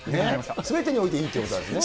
すべてにおいていいってことなんですね。